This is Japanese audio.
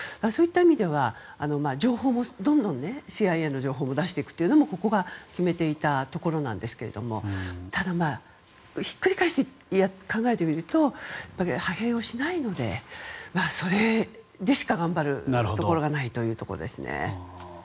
そういった意味では情報もどんどんＣＩＡの情報も出していくのも決めていたところなんですがただひっくり返して考えてみると派兵をしないのでそれでしか頑張るところがないというところですね。